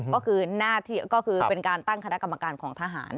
ก็คือเป็นการตั้งคณะกรรมการของทหาร